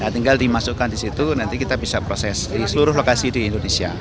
tinggal dimasukkan di situ nanti kita bisa proses di seluruh lokasi di indonesia